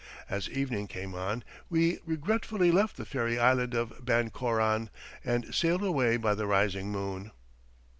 As evening came on we regretfully left the fairy island of Bancoran, and sailed away by the rising moon.